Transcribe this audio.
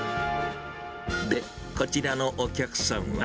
で、こちらのお客さんは。